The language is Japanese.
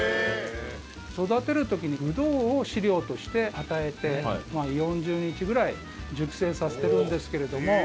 育てる時にブドウを飼料として与えて４０日ぐらい熟成させてるんですけれども。